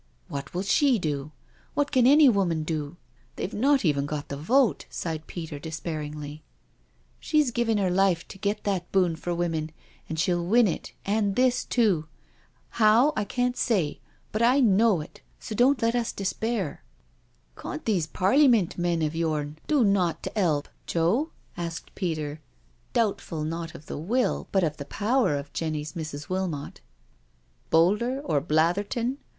" What will she do? What can any woman do? — they've not even got a vote," sighed Peter despair ingly. " She's giving her life to get that boon for women, and she'll win it, and this too. How, I can't say, but I know it, so don't let us despair." " Cawn't these Parleymint men o' yourn do nawt to 252 NO SURRENDER 'elp, Joe/' asked Peter, doubtful not of the will, but of the power, of Jenny's Mrs. Wilmot. "Boulder or Blatherton?"